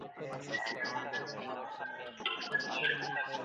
د کمپیوټر ساینس پوهنځۍ په ناڅاپي ډول نه انتقالیږي.